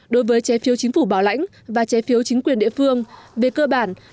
đối với trái phiếu chính phủ bảo lãnh và trái phiếu chính quyền địa phương về cơ bản